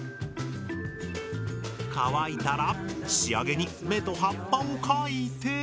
乾いたら仕上げに目と葉っぱを描いて。